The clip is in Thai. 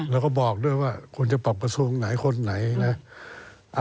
แล้วก็บอกด้วยว่าควรจะปรับกระทรวงไหนคนไหนนะ